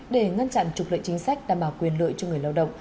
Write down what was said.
để ngăn chặn trục lợi chính sách đảm bảo quyền lợi cho người lao động